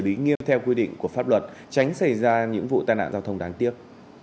lý nghiêm theo quy định của pháp luật tránh xảy ra những vụ tai nạn giao thông đáng tiếc